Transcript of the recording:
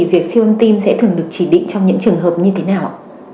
vậy thì siêu âm tim sẽ thường được chỉ định trong những trường hợp như thế nào ạ